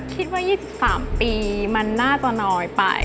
คิดว่า๒๓ปีมันน่าจะน้อยไป